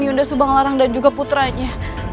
yunda subanglarang dan juga putranya